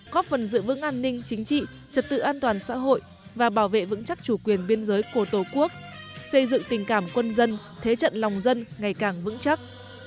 góp phần giữ vững an ninh chính trị trật tự an toàn xã hội và bảo vệ vững chắc chủ quyền biên giới của tổ quốc xây dựng tình cảm quân dân thế trận lòng dân ngày càng vững chắc